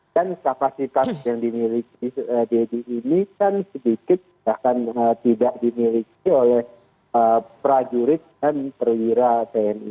dan kapasitas yang dimiliki deddy ini kan sedikit bahkan tidak dimiliki oleh prajurit dan perwira tni